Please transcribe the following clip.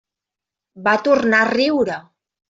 Va tornar a riure.